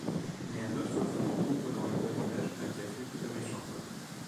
Mais un autre fou ouvre dans le voisinage un café plus riche encore.